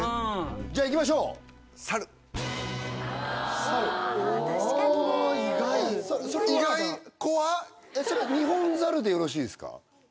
じゃあいきましょうサルサルそれはニホンザルでよろしいですか？